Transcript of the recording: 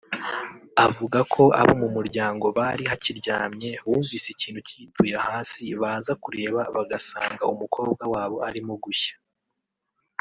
Avuga ko abo mu muryango bari hakiryamye bumvise ikintu kituye hasi baza kureba bagasanga umukobwa wabo arimo gushya